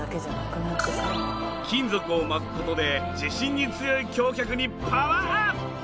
金属を巻く事で地震に強い橋脚にパワーアップ！